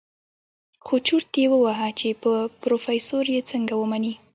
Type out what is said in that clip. خو چورت يې وهه چې په پروفيسر يې څنګه ومني.